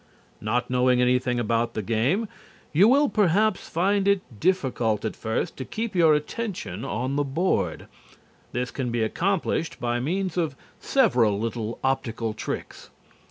Not knowing anything about the game, you will perhaps find it difficult at first to keep your attention on the board. This can be accomplished by means of several little optical tricks.